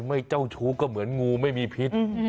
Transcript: เจ้าชู้ก็เหมือนงูไม่มีพิษ